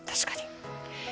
確かに。